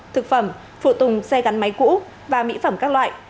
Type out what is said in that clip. thực phẩm phụ tùng xe gắn máy cũ và mỹ phẩm các loại